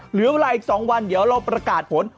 เหลือเวลาอีก๒วันเดี๋ยวเราประกาศผล